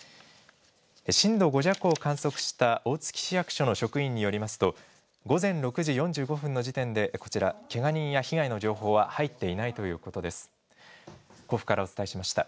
震度５弱を観測した大月市役所の職員によりますと、午前６時４５分の時点でこちら、けが人や被害の情報は入っていないということです。